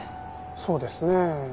そうですねえ。